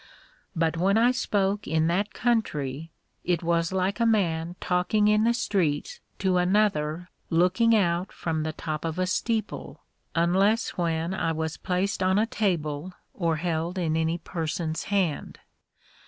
But when I spoke in that country it was like a man talking in the streets to another looking out from the top of a steeple, unless when I was placed on a table or held in any person's hand.